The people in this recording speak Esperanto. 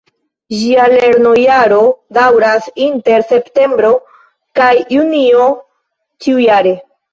Ĝia lernojaro daŭras inter Septembro kaj Junio ĉiujare.